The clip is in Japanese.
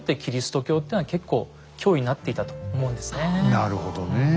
なるほどね。